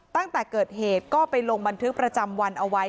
ตั้งแต่เกิดเหตุก็ไปลงบันทึกประจำวันเอาไว้